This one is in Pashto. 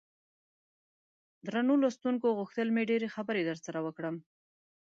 درنو لوستونکو غوښتل مې ډېرې خبرې درسره وکړم.